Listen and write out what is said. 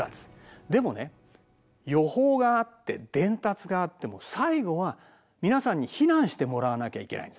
でもね予報があって伝達があっても最後は皆さんに避難してもらわなきゃいけないんですね。